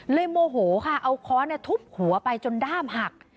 โมโหค่ะเอาค้อนทุบหัวไปจนด้ามหัก